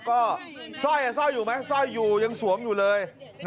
ก็ซ่อยอยู่ไหมซ่อยอยู่ยังสวมอยู่เลย